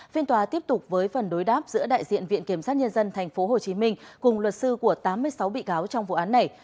phiên tòa tiếp tục với phần đối đáp giữa đại diện viện kiểm sát nhân dân tp hcm cùng luật sư của tám mươi sáu bị cáo trong vụ án này